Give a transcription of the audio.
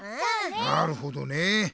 なるほどねえ。